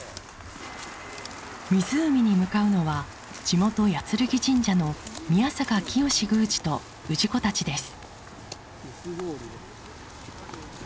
湖に向かうのは地元八劔神社の宮坂清宮司と氏子たちです。